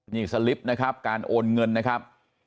นี่สลิปนะครับการโอนเงินนะครับ